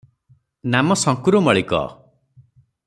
ନାମ ଶଙ୍କ୍ରୁ ମଳିକ ।